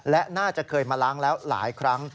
และน่าจะเคยมาล้างแล้วหลายครั้ง